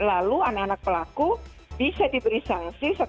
lalu anak anak pelaku bisa diberi sanksi